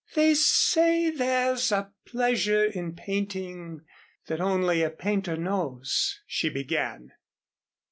"They say there's a pleasure in painting that only a painter knows," she began.